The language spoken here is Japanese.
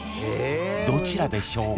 ［どちらでしょう？］